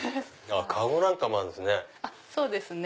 籠なんかもあるんですね。